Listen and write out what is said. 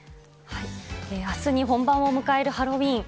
あすに本番を迎えるハロウィーン。